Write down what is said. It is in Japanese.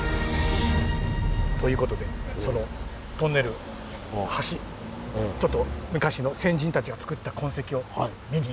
という事でそのトンネル橋昔の先人たちが造った痕跡を見に。